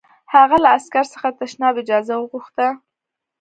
هغه له عسکر څخه د تشناب اجازه وغوښته